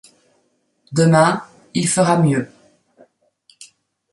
Demain, il fera mieux.